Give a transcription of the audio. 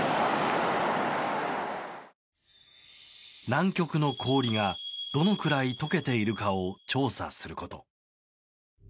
南極の氷がどのくらい解けているかを調査すること。